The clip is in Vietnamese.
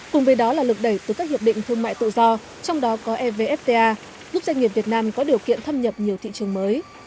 cùng với đó là lực đẩy từ các hiệp định thương mại tự do trong đó có evfta giúp doanh nghiệp việt nam có điều kiện thâm nhập nhiều thị trường mới